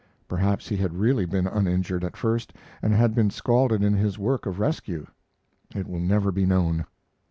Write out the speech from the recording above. Perhaps he had really been uninjured at first and had been scalded in his work of rescue; it will never be known.